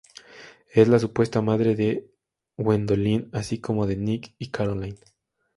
Es la supuesta madre de Gwendolyn, así como de Nick y Caroline.